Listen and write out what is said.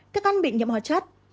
thức ăn bị nhiễm hòa chất